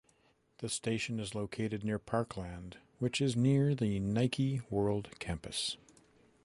The station is located near parkland, which is near the Nike World Campus.